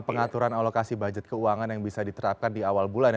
pengaturan alokasi budget keuangan yang bisa diterapkan di awal bulan ya